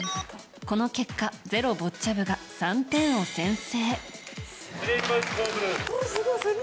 この結果「ｚｅｒｏ」ボッチャ部が３点を先制。